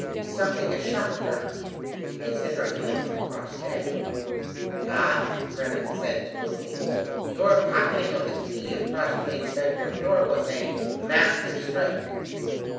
Something has shocked her." "Is it her feeling for Crossjay?" "Ah!" Vernon said to Willoughby, "your pocketing of the key of Crossjay's bedroom door was a master stroke!"